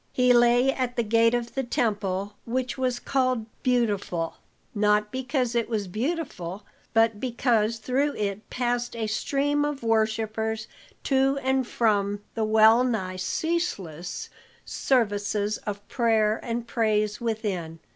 He lay at the gate of the temple, which was called "Beautiful," not because it was beautiful, but because through it passed a stream of worshippers to and from the well nigh ceaseless services of prayer and praise within.